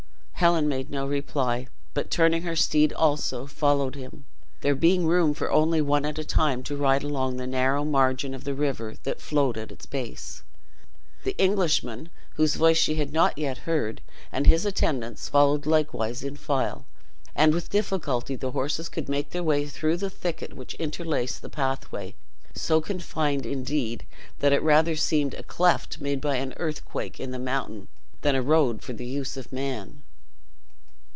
Helen made no reply, but turning her steed also, followed him, there being room for only one at a time to ride along the narrow margin of the river that flowed at its base. The Englishman, whose voice she had not yet heard, and his attendants, followed likewise in file; and with difficulty the horses could make their way through the thicket which interlaced the pathway, so confined, indeed, that it rather seemed a cleft made by an earthquake in the mountain than a road for the use of man.